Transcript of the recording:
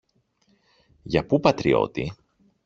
Για πού, πατριώτη;